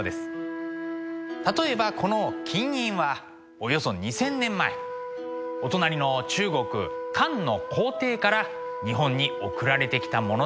例えばこの金印はおよそ２，０００年前お隣の中国漢の皇帝から日本に送られてきたものだといわれていますね。